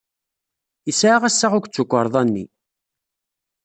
Yesɛa assaɣ akked tukerḍa-nni.